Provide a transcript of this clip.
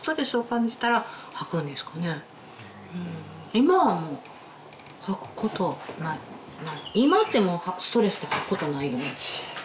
今はもう吐くことない今ってもうストレスで吐くことないよね？